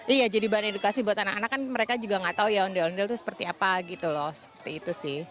iya jadi bahan edukasi buat anak anak kan mereka juga nggak tahu ya ondel ondel itu seperti apa gitu loh seperti itu sih